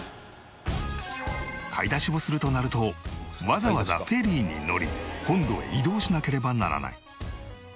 買い出しをするとなるとわざわざフェリーに乗り本土へ移動しなければならない。